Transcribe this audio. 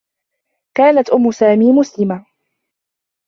كانت أمّ سامي مسلمة.